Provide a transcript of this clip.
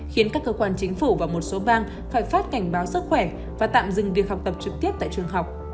khiến các cơ quan chính phủ và một số bang phải phát cảnh báo sức khỏe và tạm dừng việc học tập trực tiếp tại trường học